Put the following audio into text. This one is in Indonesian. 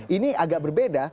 ini agak berbeda